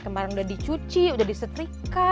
kemarin udah dicuci udah disetrika